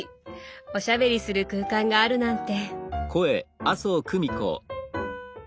おしゃべりする空間があるなんて。